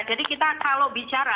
jadi kita kalau bicara